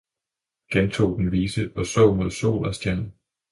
gentog den vise og så mod sol og stjerner.